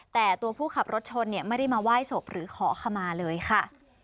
แต่ตัวผู้ขับรถชนเนี่ยไม่ได้มาไหว้ศพหรือขอขมาเลยค่ะ